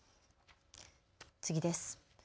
次です。